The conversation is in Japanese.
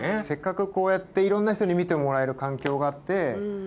せっかくこうやっていろんな人に見てもらえる環境があって。